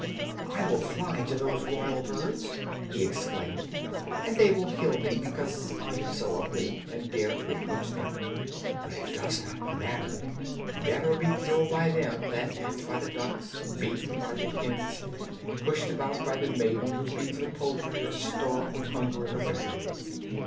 "I will fly to those royal birds," he exclaimed, "and they will kill me, because I am so ugly, and dare to approach them; but it does not matter: better be killed by them than pecked by the ducks, beaten by the hens, pushed about by the maiden who feeds the poultry, or starved with hunger in the winter."